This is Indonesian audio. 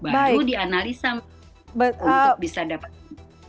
baru dianalisa untuk bisa dapat